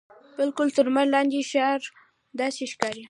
بالکل تر لمر لاندې ښار داسې ښکاري.